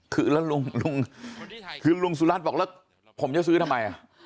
คือแล้วลุงลุงคือลุงสุรัตน์บอกแล้วผมจะซื้อทำไม